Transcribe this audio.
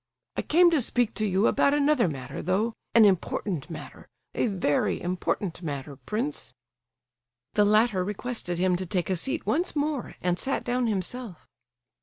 I came to speak to you about another matter, though, an important matter. A very important matter, prince." The latter requested him to take a seat once more, and sat down himself.